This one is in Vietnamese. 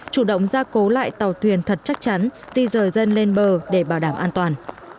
chủ động ra cố lại tàu thuyền thật chắc chắn di rời dân lên bờ để bảo đảm an toàn